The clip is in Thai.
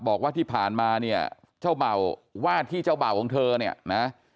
บอกว่าที่ผ่านมาเนี่ยเจ้าเบ่าว่าที่เจ้าเบ่าของเธอเนี่ยนะ